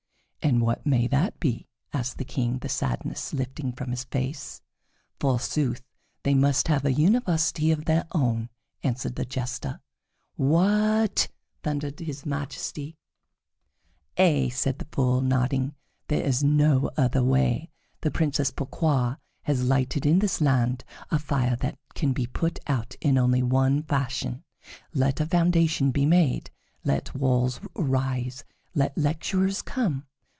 "And what may that be?" asked the King, the sadness lifting from his face. "Forsooth, they must have a university of their own," answered the Jester. "What!" thundered his Majesty. [Illustration: "WHAT!" THUNDERED HIS MAJESTY] "Ay!" said the Fool, nodding; "there is no other way. The Princess Pourquoi has lighted in this land a fire that can be put out in only one fashion. Let a foundation be made; let walls arise; let lecturers come.